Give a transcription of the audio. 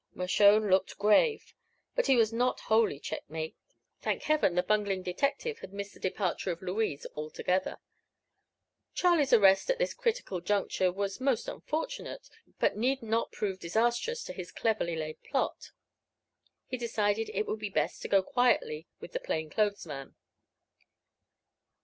Mershone looked grave, but he was not wholly checkmated. Thank heaven the bungling detective had missed the departure of Louise altogether. Charlie's arrest at this critical juncture was most unfortunate, but need not prove disastrous to his cleverly laid plot. He decided it would be best to go quietly with the "plain clothes man."